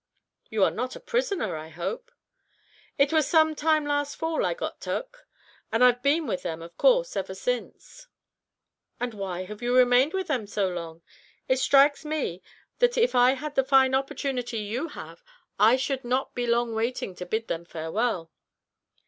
"You are not a prisoner, I hope." "It was some time last fall I got tuk, and I've been with them, of course, ever since." "And why have you remained with them so long? It strikes me that if I had the fine opportunity you have, I should not be long waiting to bid them farewell."